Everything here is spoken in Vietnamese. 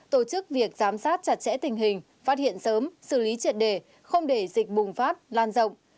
tổ chức việc giám sát chặt chẽ tình hình phát hiện sớm xử lý triệt đề không để dịch bùng phát lan rộng